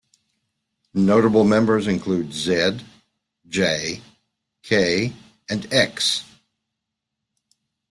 Notable members include Zed, Jay, Kay and Ecks.